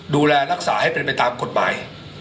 ดูแลรักษาให้เป็นไปตามกฎหมาย